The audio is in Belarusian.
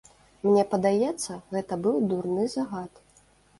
Мне падаецца, гэта быў дурны загад.